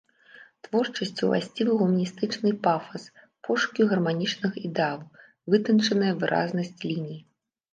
Творчасці ўласцівы гуманістычны пафас, пошукі гарманічнага ідэалу, вытанчаная выразнасць ліній.